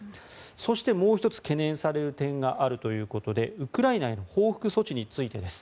そして、もう１つ懸念される点があるということでウクライナへの報復措置についてです。